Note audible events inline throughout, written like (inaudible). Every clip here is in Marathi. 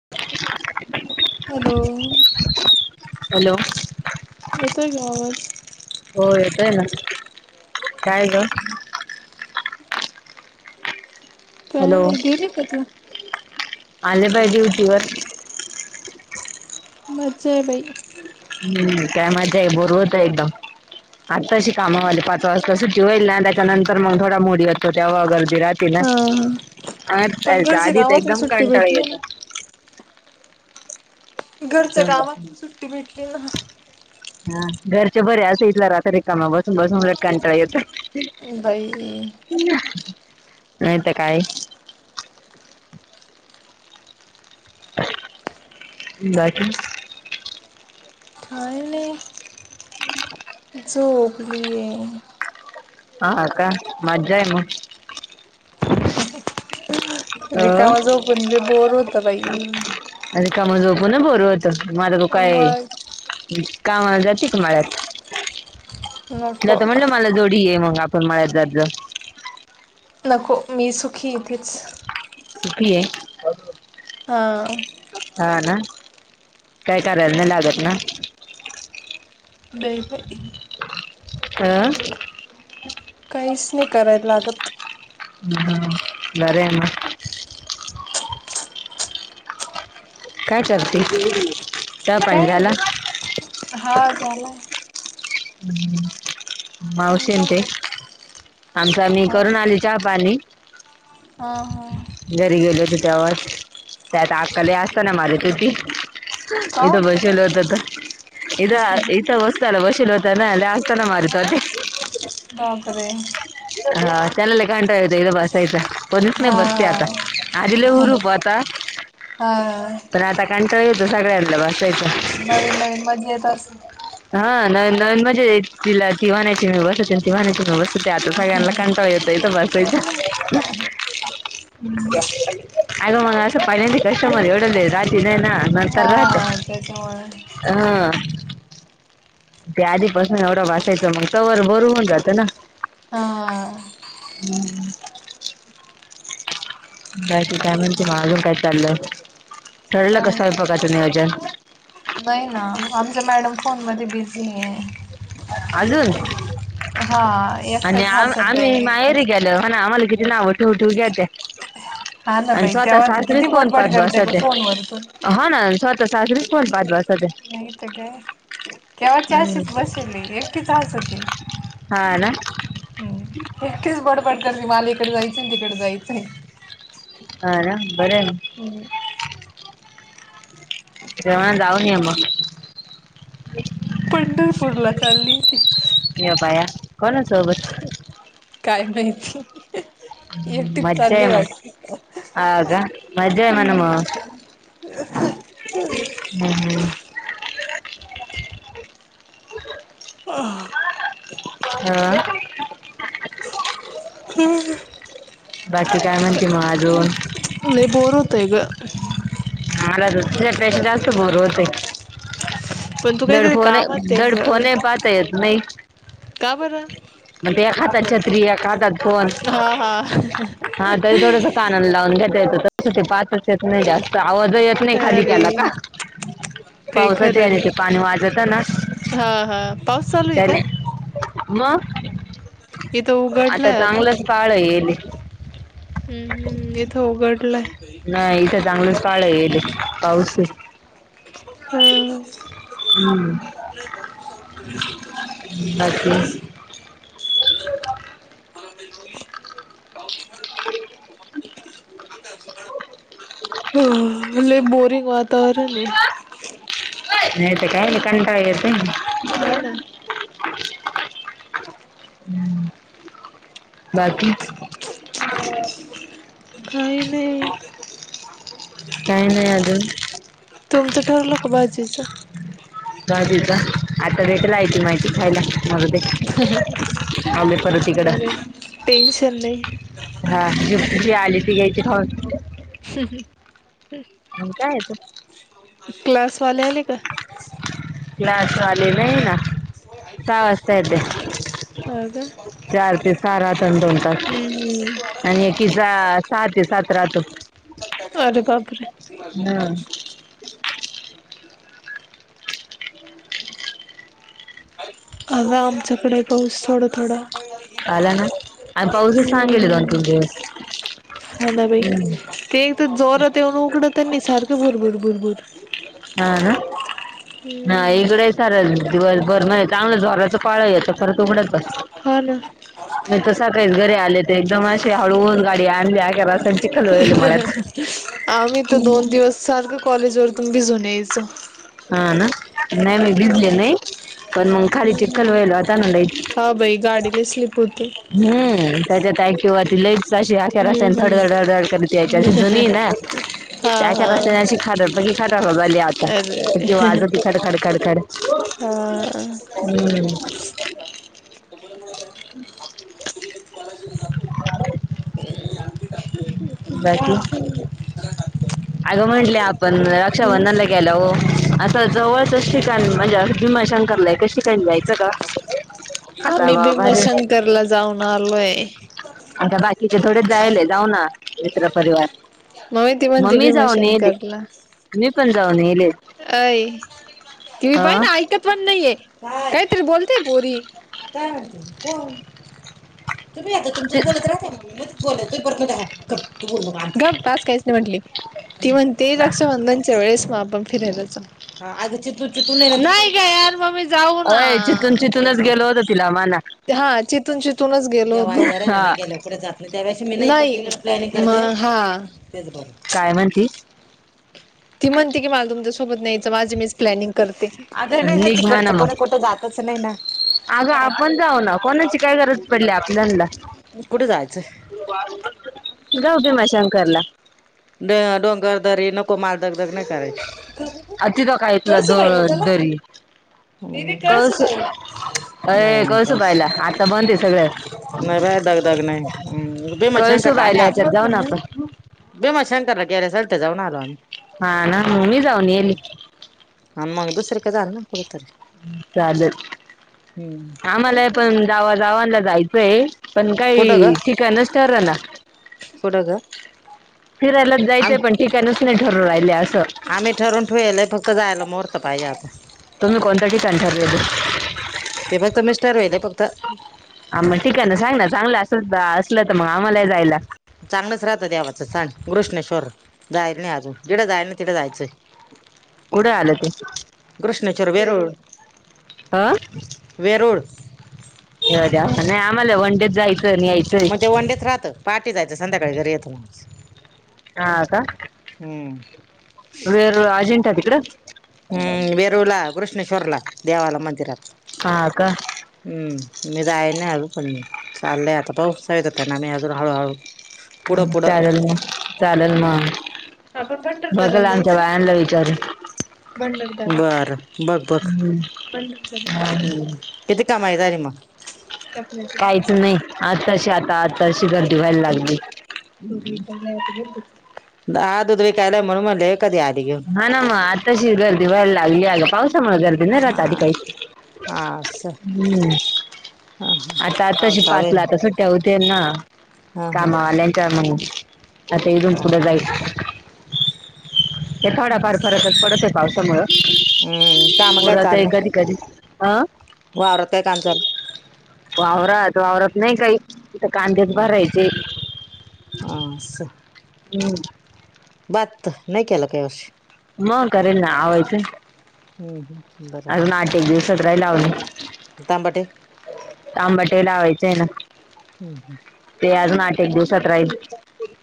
(inaudible) हॅ.. लो.. ! हॅलो! येतो काय आवाज? हो येतोय (inaudible) ना काय ग? काय हॅलो नाही गेली का तू (inaudible) आले बाई ड्युटी वर. मज्जा आहे बाई (inaudible) हम्म काय मज्जा आहे. बोर होतंय एकदम आता अशी कामावाली पाच वाजता त सुट्टी होईल ना त्याच्यानंतर मग थोडा मोड येतो तेव्हा गर्दी राहत ला हा हा अदी पण तर घरच्या गाडीत कामातून एकदम सुट्टी कंटाळा भेटली येतो. ना घरच्या कामातून सुट्टी भेटली ना हा घरच्या बर् असं इथला रहात रात्री कामा बसून बसून कंटाळा येतोय बाई... नाही ते काय? बाकी काय नाई झोपलीये हा का मज्जा आहे मग (inaudible) रिकामा अ झोपून पण बोर होत बाई! अ रिकामं झोपून ना बोर होत माझ तो काय मग कामाला जाते का मळ्यात तीला नको तर म्हणलं. मला जोडी ये मग आपण मळ्यात जात जाऊ. नको मी सुखी इथेच. सुखी ये. हां. हा ना काय करायला नाही लागत ना, नही बाई. हं. काहीच नाही करायला लागत. ह हम बरे मग काय करती. काय झाल हा झालाय मावशी अन तुमचा ते आमचा आम्ही करून आली चहा पाणी हा हा घरी गेलो होतो तेव्हाच त्यात आकले असत ना माझ तू ती का इथ बसेल होतो तर, इते बसेल होता ना लगेच त्याला मारत होते. बापरे. हा त्याला लई कंटाळा येतो इथे बसायचं कोणस नाही हा बसते आता आधी लई हुरूप होता. हा हा. तर आता कंटाळा येतो सगळ्यांला बसायचं. नवीन नवीन मजा येत असं. हा न नवीन मजेत तिला ती म्हणायची मी बसते ती म्हणायची मी बस त्यात आता सगळ्यांना कंटाळा येतो इत बस आगं मंग अस पहिल्यानंदी. कस्टमर एवढ वेळ राहत नाही ना नंतर राहात हा त्याच्यामुळे हा त्या आधीपासून एवढं बसायचं मग तवर बर होऊन जातं ना. हा. हम्म हम्. ह. बाकी काय म्हणते मग अजून काय चालले ठरलं काय स्वयपाकाच नियोजन. नाही ना आमच मॅडम फोन मध्ये बिझी आहे. अजून. हा आणि एकटच हसत आहे आ्म्ही माहेरी एकटच गेलो आम्हाला किती नाव ठेवू ठेवू घ्याते हा ना आणि बाई स्वतः तेव्हा सासरी किती चा फोन बडबड करत करते का बसते. फोन वरतून हा ना सवतः सासरीच फोन पाहत बसत्यात. नाही तर काय. केव्हा च हम्म अशीच बसली एकटीच हसती. हा ना हम एकटीच बडबड करते, मला इकडे जायचं तिकडे जायचंय. हा ना बर आहे ना मग. हो. जेवण जाऊन मग. पंढरपूर ला चालली ती य बया कोना सोबत. काय माहिती. एकटी च मज्जा आहे चालली मग वाट हा का मज्जा आहे म्हणा मग हम् (unintelligible) हम्म हम्म. ह हम. हम. बाकी काय म्हणते मग अजून. लेय बोर होतंय ग मला तुझ्या पेक्ष जास्त बर होते. पण तू काहीतरी दडफोने कामात ये ग दडफोने पाहता येत नाही. का बर. एक हात छत्री एक हातात फोन. हा हा हा तरी थोडस कानान लावून घ्यातायचं तस ते पात. येत नाही जास्त आवाज येत नाही खाली अरे त्याला का. काही पावसत खरं आणि ते नाही पाणी वाजत ना हा हा पाऊस चालू आहे त्याने. मग. तुझा दे. इथं उघड. आता चांगलंच पाळ येईल. हम हम इथं उघडलंय. नाही इथं चांगलंच काळ येल पाऊसे. हम्म. हम् बाकी. Four wheeler. आत्ता अशी गडप. ह ह लेय बोरिंग वातावरण आहे. नाहीेत काय कंटा आहे येत. हा ना. बाकी. काही नाही. काय नाही अजून. तुमचं ठरलं का भाजीचं. जा बाई जा आता लेकर हाय ती माझी खायला. मग ते आले परत बर हाय इकडं टेन्शन नाही. हा जी आली ती खाऊन ह. हम् ह ह. आणि काय आहेच. क्लास वाले आले का. ग्लासवाले नाही ना का सहा वाजता येत. ह का आणि दोन तास हम्म हम्म. साहा ते सात रातो. अरे बापरे. हम. आज आमच्याकडे पाऊस थोडं थोडं. ला ना आणि पाऊसच सांगेले दोन हम्म. तीन दिवस. हा ना बाई ते एक तर जोरात येऊन उघडतनी सारखं भरभूर भरभूर. हा ना ह हम्म हीगडेज. चारल दिवसभर नाही चांगलं जराच पाळ याचा परत उघडत त. हा ना नाही तर सांगायचं घरी आले ते एकदम असे हळवून गाडी आडवी आली. आम्ही तर दोन दिवस. सारखं कॉलेज वर तून भीजूनन यायचं. हा ना नाही मी भिजले नाही पण मग खाली चिक्कल हम्म व्हायल आता नदची. हा भाई गाडीले स्लीप होते हम् त्याच्यात किंवा तिला शी आखेर अस हम्म थोडं हम्म थोडड करत याय जुनी ना हा त्याख्या हा खरत की खटली आता किं वाज त खडखड खडखड हा ह जो आणखी बाकी अग म्हणले आपण रक्षाबंधन ला गेला हो आता जवळच शिकाण म्हणजे भीमाशंकरलाय क शिकाण जायचं का आता आम्ही बा भारी भीमशंकर ला जाऊन आलोय आता बाकीचे थोडेच जायल जाऊ ना मित्र परिवार म् त मग म्हणती मी जाऊन येले भीमशंकरला मी पण जाऊनेले अ तिही पाय ना त पण नाहीे काहीतरी बोलते पोरी तुम्ही आता तुमच बोलत राहता म म बतू बोल पास काहीच नाही म्हट ती म्हणते रक्षाबंधन च्या वेळेस मग आपण फिरायलाच नाही काय यार म्ही जाऊ ना हमा ना हा चिथून शथूनच वला ना हा गेलं कठे जात त्या व मी पन तेच बरोबर काय म्हणतीी ती म्हणते की मला तुमच्यासोबत नाहीयचं माझी मीच प्लॅनिंग करते अगर नाही ना निघ म्हणा तिकडचं मग कोणी कुठं जातच नाही ना अगं आपण जाऊ ना कोणाची काय गरज पडली आपल्याला, कुठे जायचं जाऊ भीमाशंकराला, ते डोंगर, दरी नको, नको मला दग दग नाही करायची. अ तिथं काय तुला द कळसुबाईला चला, दरी गेली कळस कळसुबाईला, नाही अय नाही कळसू बस बायला आता बंद आहे सगळं नाही रा दग दग नाही हम् भीमत कळसू शंकरला आम्ही बायला आता याच्यात जाऊ ना आपण भीमत शंकरला गल्या सलत जाऊन आलो आम्ही हा ने जाऊन यायले न येली आन मग दुसर क काारना कडतर चालेल हम्म आम्हाला पण जावा जावांला जायचंय पण कुठं ग काही ठिकाणच ठर ना कुठं ग फिरायलाच आम जायचंय पण ठिकाणच नाही ठरून राहिले असं आम्ही ठरवुन ठेयलय फक्त जायला मुहर्थ पाहिजे आता, तुम्ही कोणतं ठिकण ठरवल? ते फक्त मिस्टर व्हालय फक्त आ मग ठीक आहे ना सांग ना चांगलं अस असलं तर मग आम्हालाही जायला. चांगलंच राहतं देवाचं स्थान घृष्णेश्वर जायल नाही अजून जिथं जायल नाही तिथं जायचंय. (unintelligible) कुठ आलं ते, घृष्णेश्वर, वेरूळ ह वेरूळ एवढ्या नाही आम्हाला वन डे जायचं यायचं, मग ते वन डेच राहतं पहाटे जायचं संध्याकाळी घरी यायचं, माणूस हा का, हम्म वेरुळ, अजिंठा तिकडे हम्म वेरुळला, घृष्णेश्वरला देवाला मंदिरात हा, का? हम्म मी जायल नाही. अजून पण चाललंय आता पाहु सांगीतल त्यांना मी अजून हळूहळू, पुढं पुढं चालेल मग, चालेल मग, आपण बघल आमच्या बायांना विचारून, बर बघ बघ, किती कमाई झाली मग, कपड्याच काहीच मला नाही आताशी आता आता अशी गर्दी व्हायला लागली. दुध विकत नाही, आज दुध विकायला आहे म्हणून म्हटलं कधी घेऊन आली मग, हा ना मग आताशी गर्दी व्हायला लागली अग पावसामुळे गर्दी, नाही हा राहता आधी काही हा अस हा हा आता पाऊस आतशी चालू आहे पाचला आता सुट्ट्या होतील ना हा हा कामावाल्यांचे, त्यामुळे आता इथून हा पुढं जाईल. ते थोडाफार फरकच पडत आहे. पावसामुळ, हम्म काम काय चालल, कधी अं वावरात काय काम चालू? वावरात वावरात नाही काही, आता कांदेच भरायाचे. हम्म अस हम्म, भात नाही केला हया वर्षी, मग करेल ना आवायच, हम्म हम्म बरं अजुन बरं आठ एक दिवसात राहील अवनी, तांबाटे टबाटे लावायचे आहे ना, (inaudible) ते अजून आठ एक दिवसात राहील.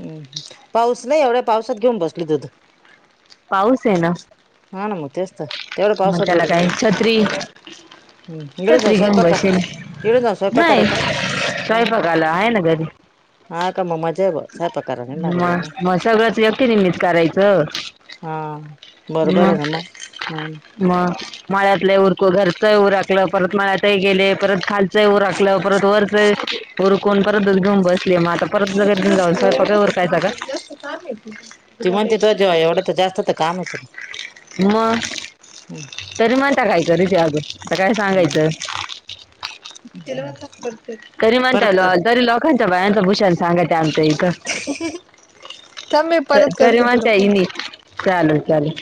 हम् पाऊस नाही एवढ्या पावसात घेऊन बसल दुध, पाऊस आहे ना? हा ना मग तेच तर तेवढं मग पावसात त्याला दुध घेऊन, काय छत्री हम्म घरी जाऊन छत्री घेऊन स्वयंपाक बसेल करायचा, इथून जाऊन स्वयंपाक करायचा? स्यपागला आहे ना घरी हा काम मजे ब सहापा कर लागते मग मग सगळंच व्यक्तिनिमित्त करायचं हा बरोबर आहे मग र म हा मग माळ्यातलं उरकू घरचं ऊरखलं, परत मळ्यातही गेले, परत खालचंही ऊरखलं, परत वरच, उरकुन परतच घेऊन बसली, मग आता परत घरी जाऊन स्वयंपाक एवढं तर उरकायचा का? काम ती म्हणते तुझ्या जीवाएवढं तर जास्त तर काम तुला, मग तरी म्हणता काय करती अजून, आता काय सांगायचं, (inaudible) तरी म्हणत्या, परत करते तरी लोकांच्या बायांच भुषण सांगात्या आमचं इथं, ह मी त- परत तरी करते म्हणत्या तुला इनी चालेल चालेल